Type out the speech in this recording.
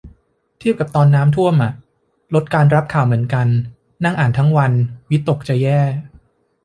เทียบกับตอนน้ำท่วมอะ ลดการรับข่าวเหมือนกัน นั่งอ่านทั้งวันจิตตกแย่